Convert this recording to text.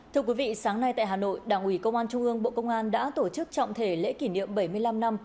thưa quý vị sáng nay tại hà nội đảng ủy công an trung ương bộ công an đã tổ chức trọng thể lễ kỷ niệm bảy mươi năm năm